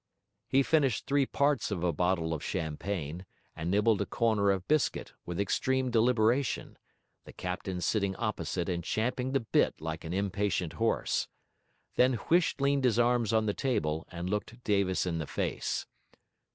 He finished three parts of a bottle of champagne, and nibbled a corner of biscuit, with extreme deliberation; the captain sitting opposite and champing the bit like an impatient horse. Then Huish leaned his arms on the table and looked Davis in the face.